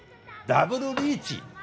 ダブルリーチ！